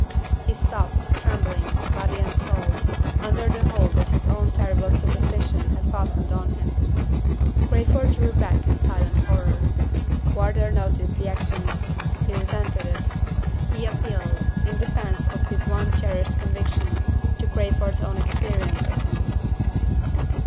He stopped, trembling, body and soul, under the hold that his own terrible superstition had fastened on him. Crayford drew back in silent horror. Wardour noticed the action he resented it he appealed, in defense of his one cherished conviction, to Crayford's own experience of him.